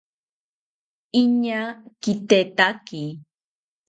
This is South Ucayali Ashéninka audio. Iñaa kitetaki